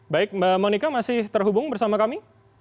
baik mbak monika masih terhubung bersama kami